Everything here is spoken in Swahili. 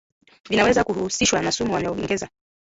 vinaweza kuhusishwa na sumu, wameongeza